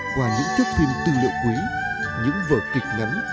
qua những thước phim tư liệu quý những vở kịch ngắn